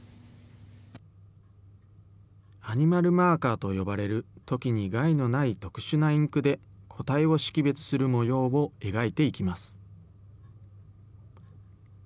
アニマルマーカーと呼ばれる、トキに害のない特殊なインクで、個体を識別する模様を描いていきます。